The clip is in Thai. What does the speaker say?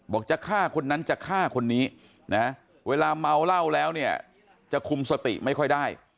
จะฆ่าคนนั้นจะฆ่าคนนี้นะเวลาเมาเหล้าแล้วเนี่ยจะคุมสติไม่ค่อยได้